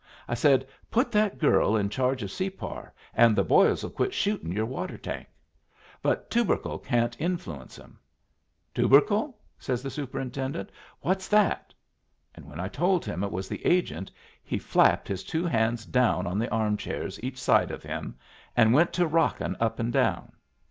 I said, 'Put that girl in charge of Separ, and the boys'll quit shooting your water tank. But Tubercle can't influence 'em.' 'Tubercle?' says the superintendent. 'What's that?' And when I told him it was the agent, he flapped his two hands down on the chair arms each side of him and went to rockin' up and down.